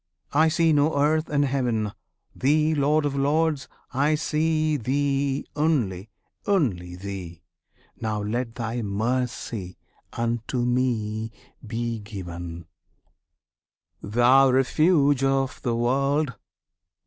I see no Earth and Heaven! Thee, Lord of Lords! I see, Thee only only Thee! Now let Thy mercy unto me be given, Thou Refuge of the World!